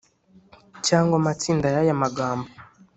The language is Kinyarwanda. cyangwa amatsinda yaya magambo